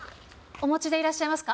お持ちでいらっしゃいますか？